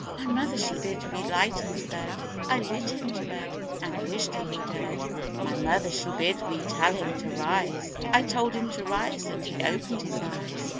My mother she bid me light him to bed: I lit him to bed, And wished he were dead. My mother she bid me tell him to rise: I told him to rise, And he opened his eyes.